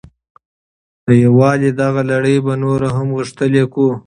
د یووالي دغه لړۍ به نوره هم غښتلې کړو.